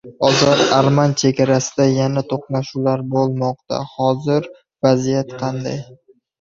Ozar-arman chegarasida yana to‘qnashuvlar bo‘lmoqda. Hozir vaziyat qanday?